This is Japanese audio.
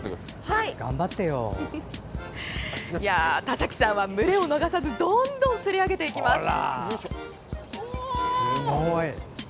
田崎さんは群れを逃さずどんどん釣り上げていきます。